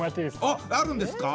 あっあるんですか？